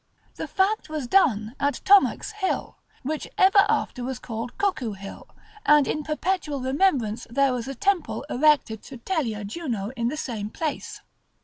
This fact was done at Thornax hill, which ever after was called Cuckoo hill, and in perpetual remembrance there was a temple erected to Telia Juno in the same place.